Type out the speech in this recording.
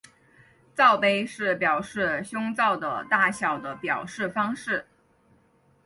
罩杯是表示胸罩的大小的表示方式。